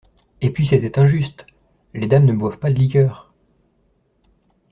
Et puis c’était injuste… les dames ne boivent pas de liqueurs…